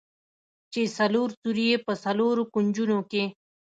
چې څلور سوري يې په څلورو کونجونو کښې.